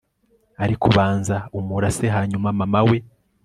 ariko banza umurase hanyuma mama we